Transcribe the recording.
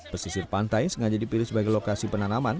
pesisir pantai sengaja dipilih sebagai lokasi penanaman